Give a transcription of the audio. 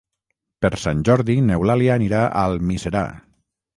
Per Sant Jordi n'Eulàlia anirà a Almiserà.